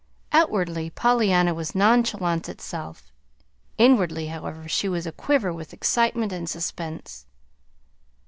Outwardly Pollyanna was nonchalance itself. Inwardly, however, she was aquiver with excitement and suspense.